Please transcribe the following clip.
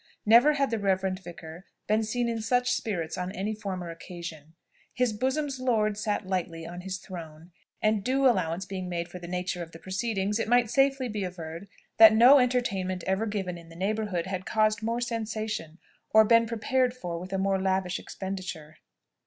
Never had the reverend vicar been seen in such spirits on any former occasion; "His bosom's lord sat lightly on his throne;" and (due allowance being made for the nature of the proceedings) it might safely be averred, that no entertainment ever given in the neighbourhood had caused more sensation, or been prepared for with a more lavish expenditure.